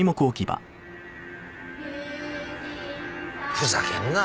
ふざけんな。